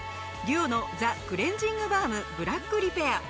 ＤＵＯのザクレンジングバームブラックリペア。